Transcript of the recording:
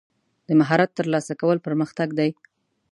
د مهارت ترلاسه کول پرمختګ دی.